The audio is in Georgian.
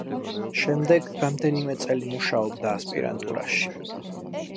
შემდეგ რამდენიმე წელი მუშაობდა ასპირანტურაში.